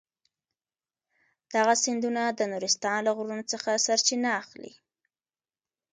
دغه سیندونه د نورستان له غرونو څخه سرچینه اخلي.